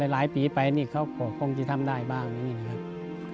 หลายปีไปเขาความจำได้อีก